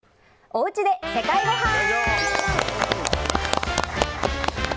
おうちで世界ごはん。